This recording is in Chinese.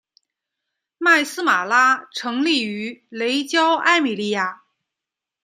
麦丝玛拉成立于雷焦艾米利亚。